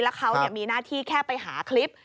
แล้วเขามีหน้าที่แค่ไปหาคลิป